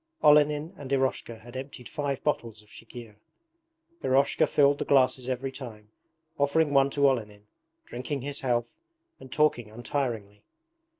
Olenin and Eroshka had emptied five bottles of chikhir. Eroshka filled the glasses every time, offering one to Olenin, drinking his health, and talking untiringly.